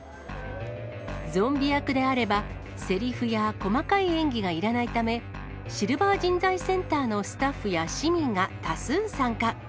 ゾンビ役であれば、せりふや細かい演技がいらないため、シルバー人材センターのスタッフや市民が多数参加。